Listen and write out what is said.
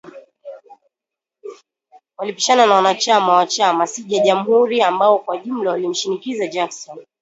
Walipishana na wana chama wa chama cja jamhuri ambao kwa ujumla walimshinikiza Jackson